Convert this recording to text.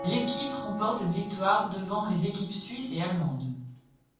L'équipe remporte cette victoire devant les équipes suisse et allemande.